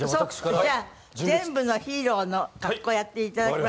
じゃあ全部のヒーローの格好やっていただきましょうか。